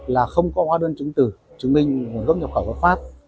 là không có hóa đơn chứng từ chứng minh nguồn gốc nhập khỏi vật pháp